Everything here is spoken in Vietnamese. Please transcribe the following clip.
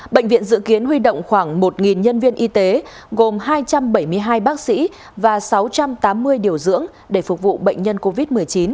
bệnh viện dự kiến huy động khoảng một nhân viên y tế gồm hai trăm bảy mươi hai bác sĩ và sáu trăm tám mươi điều dưỡng để phục vụ bệnh nhân covid một mươi chín